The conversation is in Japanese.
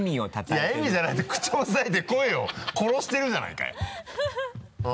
いや笑みじゃないって口を押さえて声を殺してるじゃないかよ。